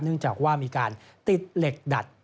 เนื่องจากว่ามีการติดเหล็กดัด